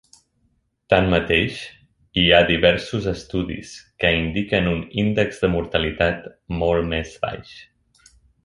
Tanmateix, hi ha diversos estudis que indiquen un índex de mortalitat molt més baix.